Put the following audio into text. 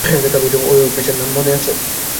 ওই অফিসারের নাম মনে আছে?